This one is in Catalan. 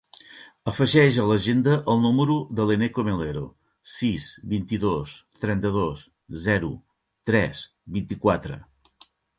Afegeix a l'agenda el número de l'Eneko Melero: sis, vint-i-dos, trenta-dos, zero, tres, vint-i-quatre.